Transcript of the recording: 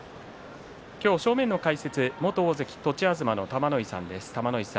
正面の解説は元大関栃東の玉ノ井さんです。